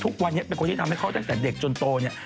ทุกวันนี้เป็นคนที่ทำให้เขาตั้งแต่เด็กจนโตเนี่ย